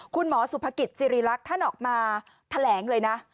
คุณหมอสุภกิจสิริรักษ์ท่านออกมาแถลงเลยนะ